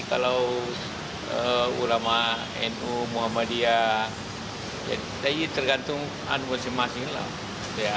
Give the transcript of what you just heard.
kalau ulama nu muhammadiyah jadi tergantung anwur semuanya